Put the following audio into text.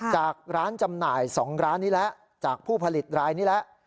จากร้านจำหน่าย๒ร้านนี้แล้วจากผู้ผลิตรายนี้แล้ว